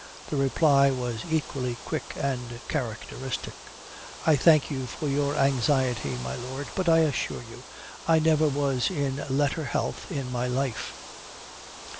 The reply was equally quick and characteristic "I thank you for your anxiety, my lord; but I assure you I never was in letter health in my life."